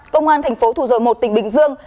công an thành phố thủ dầu một tỉnh bình dương